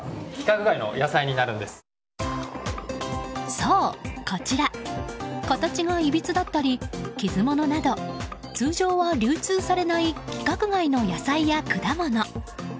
そう、こちら形がいびつだったり、傷物など通常では流通されない規格外の野菜や果物。